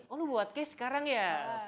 oh lu buat case sekarang ya